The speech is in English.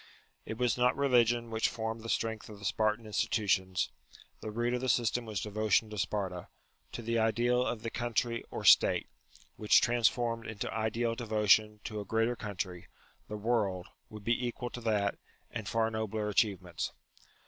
It was not religion which formed the strength of the Spartan institutions : the root of the system was devotion to Sparta, to the ideal of the country or State : which transformed into ideal devotion to a greater country, the world, would be equal to that and far nobler achievements.